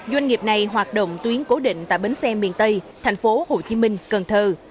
doanh nghiệp này hoạt động tuyến cố định tại bến xe miền tây thành phố hồ chí minh cần thơ